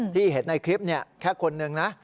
ที่เห็นในคลิปแค่คนนึงนะ